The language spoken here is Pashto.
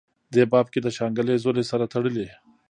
دې باب کې دَشانګلې ضلعې سره تړلي